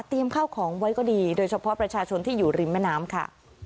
ข้าวของไว้ก็ดีโดยเฉพาะประชาชนที่อยู่ริมแม่น้ำค่ะ